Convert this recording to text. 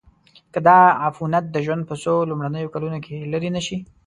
که دا عفونت د ژوند په څو لومړنیو کلونو کې لیرې نشي.